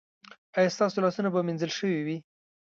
ایا ستاسو لاسونه به مینځل شوي وي؟